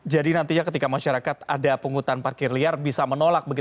jadi nantinya ketika masyarakat ada pungutan parkir liar bisa menolak